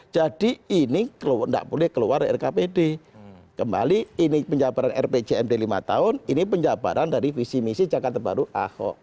jadi ini tidak boleh keluar dari rkpd kembali ini penjabaran rpcmd lima tahun ini penjabaran dari visi misi jakarta baru ahok